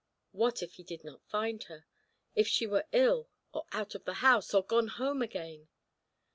What if he did not find her? If she were ill, or out of the house, or gone home again?